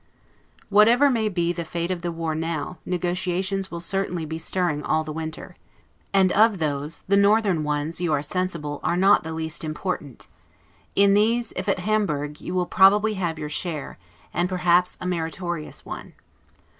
Whatever may be the fate of the war now, negotiations will certainly be stirring all the winter, and of those, the northern ones, you are sensible, are not the least important; in these, if at Hamburg, you will probably have your share, and perhaps a meritorious one.